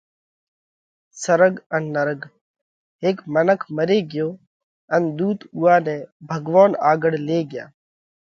سرڳ ان نرڳ: هيڪ منک مري ڳيو ان ۮُوت اُوئا نئہ ڀڳوونَ آڳۯ لي ڳيا۔